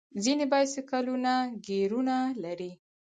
ځینې بایسکلونه ګیرونه لري.